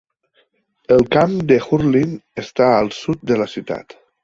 El camp de hurling està al sud de la ciutat.